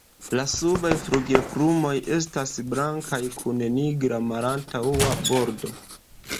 La subaj flugilplumoj estas blankaj kun nigra malantaŭa bordo.